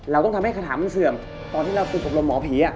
เราต้องทำให้คาถามันเสื่อมตอนที่เราฝึกอบรมหมอผี